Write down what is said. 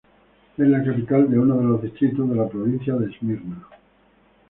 Es la capital de uno de los distritos de la provincia de Esmirna.